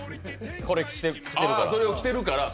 これ、着てるから。